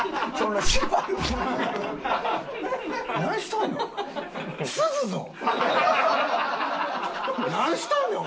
なんしとんねん！